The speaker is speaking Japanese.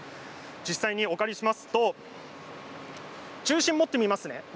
実際にお借りしますと中心を持ってみますね。